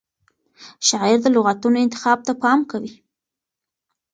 شاعر د لغتونو انتخاب ته پام کوي.